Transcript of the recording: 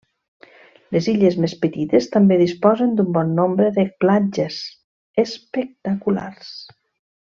Les illes més petites també disposen d'un bon nombre de platges espectaculars.